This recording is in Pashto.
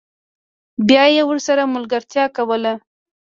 بیا یې ورسره ملګرتیا کوله